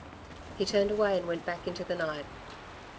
He turned away and went back into the night.